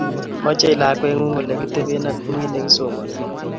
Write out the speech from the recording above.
Mochei lakwengung Ole kitebe aak bukuit nekisomani